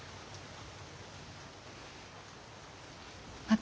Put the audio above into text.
私